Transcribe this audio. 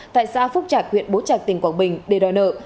tại xã phúc trạc huyện bố trạc tỉnh quảng bình để đòi nợ